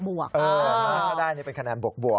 ถ้าได้นี่เป็นคะแนนบวก